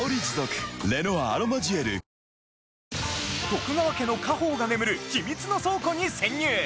徳川家の家宝が眠る秘密の倉庫に潜入！